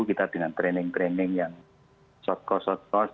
kita dengan training training yang short course